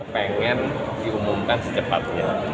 pengen diumumkan secepatnya